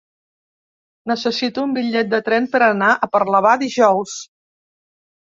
Necessito un bitllet de tren per anar a Parlavà dijous.